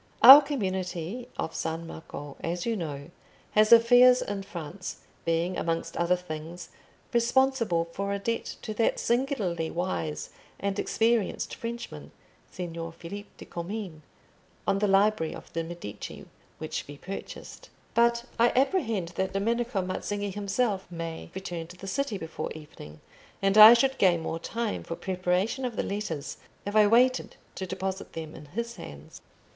Our community of San Marco, as you know, has affairs in France, being, amongst other things, responsible for a debt to that singularly wise and experienced Frenchman, Signor Philippe de Comines, on the library of the Medici, which we purchased; but I apprehend that Domenico Mazzinghi himself may return to the city before evening, and I should gain more time for preparation of the letters if I waited to deposit them in his hands."